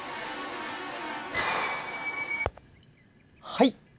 はい。